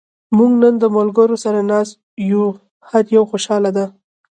موږ نن د ملګرو سره ناست یو. هر یو خوشحاله دا.